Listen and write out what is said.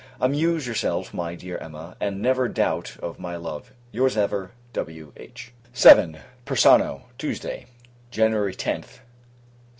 Amuse yourself, my dearest Emma, and never doubt of my love. Your's, ever, W.H. VII. Persano, [Tuesday] Jan. 10th, 1792.